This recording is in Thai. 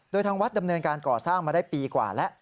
โดยทางวัดดำเนินการก่อสร้างมาได้ปีกว่าแล้ว